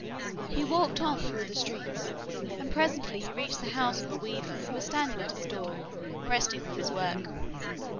He walked on through the streets, and presently he reached the house of a weaver who was standing at his door, resting from his work.